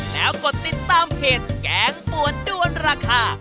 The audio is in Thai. แล้วกดติดตามเพจแกงปวดด้วนราคา